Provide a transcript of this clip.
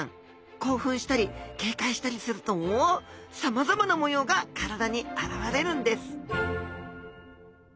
興奮したり警戒したりするとさまざまな模様が体にあらわれるんです